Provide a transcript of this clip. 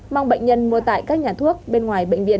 mong bệnh nhân mua tại các nhà thuốc bên ngoài bệnh viện